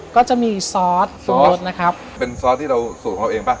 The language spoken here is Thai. ก็จะมีซอสปรุงรสนะครับเป็นซอสที่เราสูตรของเราเองป่ะ